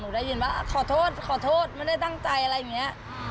ได้ยินว่าขอโทษขอโทษไม่ได้ตั้งใจอะไรอย่างนี้